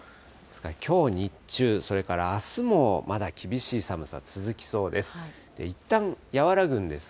きょう日中、それからあすもまだ厳しい寒さ続きそうです。